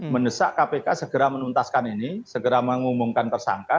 mendesak kpk segera menuntaskan ini segera mengumumkan tersangka